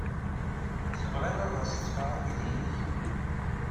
Tebɣiḍ ad as-ḍḍfeɣ aydi-nnek?